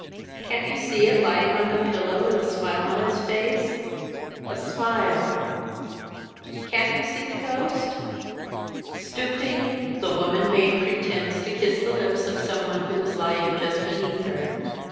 Can't you see it lying on the pillow, with a smile on its face? a smile! Can't you see the ghost?" Stooping, the woman made pretence to kiss the lips of some one who was lying just beneath her.